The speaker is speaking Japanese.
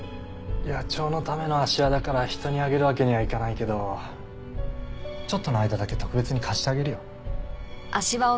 野鳥のための足環だから人にあげるわけにはいかないけどちょっとの間だけ特別に貸してあげるよ。